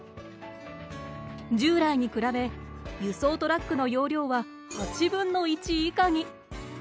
従来に比べ輸送トラックの容量は８分の１以下に。